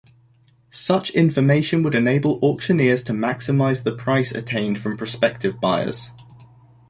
Such information would enable auctioneers to maximise the price attained from prospective buyers.